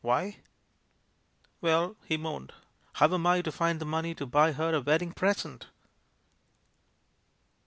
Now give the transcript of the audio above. "Why?" "Well," he moaned, "how am I to find the money to buy her a wedding present?"